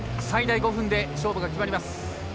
最大５分で勝負が決まります。